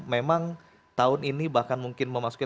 memang tahun ini bahkan mungkin memasuki